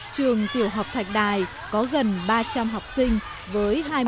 trường tiểu học thạch đài có gần ba trăm linh học sinh với hai mươi hai giáo viên và nhân viên